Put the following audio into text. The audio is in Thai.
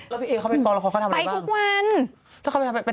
แล้วพี่เอ๊เข้าไปกล้องละครเขาทำอะไรบ้างไปทุกวัน